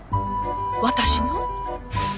私の？